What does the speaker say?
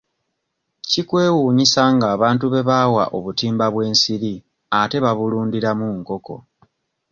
Kikwewuunyisa ng'abantu be baawa obutimba bw'ensiri ate babulundiramu nkoko.